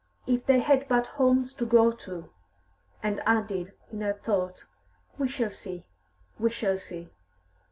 "If they had but homes to go to!" And added, in her thought, "We shall see, we shall see!"